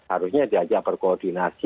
harusnya diajak berkoordinasi